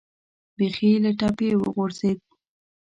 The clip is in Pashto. بیخي له ټپې وغورځېد.